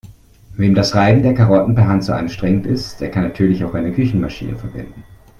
Wem das Reiben der Karotten per Hand zu anstrengend ist, der kann natürlich auch eine Küchenmaschine verwenden.